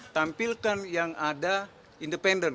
tampilkan yang ada independen